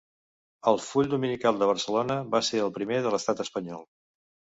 El Full dominical de Barcelona va ser el primer de l'estat espanyol.